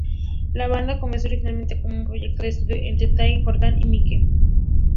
La banda comenzó originalmente como un proyecto de estudio entre Tay, Jordan y Mike.